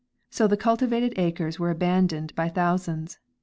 So the cultivated acres were abandoned by thou sands.